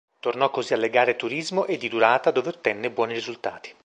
Tornò così alle gare Turismo e di durata dove ottenne buoni risultati.